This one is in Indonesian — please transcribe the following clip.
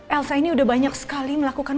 elsa ini sudah banyak sekali melakukan